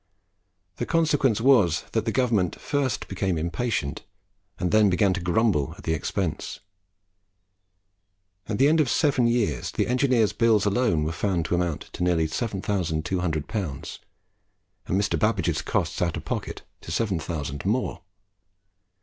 The consequence was that the government first became impatient, and then began to grumble at the expense. At the end of seven years the engineer's bills alone were found to amount to nearly 7200L., and Mr. Babbage's costs out of pocket to 7000L. more.